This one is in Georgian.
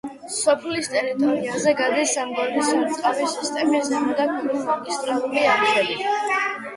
სოფლის ტერიტორიაზე გადის სამგორის სარწყავი სისტემის ზემო და ქვემო მაგისტრალური არხები.